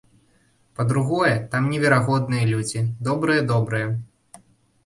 Па-другое, там неверагодныя людзі, добрыя-добрыя.